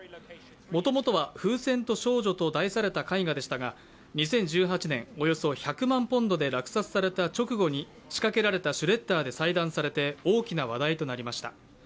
もともとは「風船と少女」と題された絵画でしたが２０１８年、およそ１００万ポンドで落札された直後に仕掛けられたシュレッダーで細断されて大きな話題となりました。